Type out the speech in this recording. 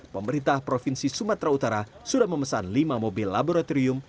pemerintah provinsi sumatera utara sudah memesan lima mobil laboratorium